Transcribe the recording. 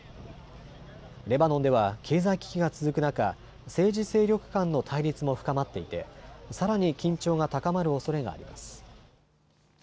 レバノンでは経済危機が続く中、政治勢力間の対立も深まっていてさらに緊張が高まるおそれがあります。